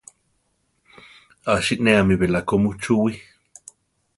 A sinéami belako muchúwii.